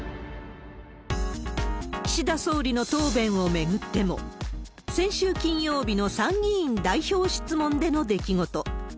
岸田総理の答弁を巡っても、先週金曜日の参議院代表質問での出来事。